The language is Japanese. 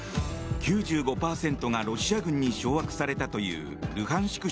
９５％がロシア軍に掌握されたというルハンシク